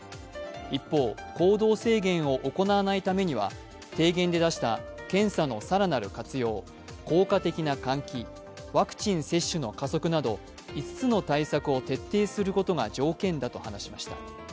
一方、行動制限を行わないためには提言で出した検査の更なる活用、効果的な換気ワクチン接種の加速など５つの対策を徹底することが条件だと話しました。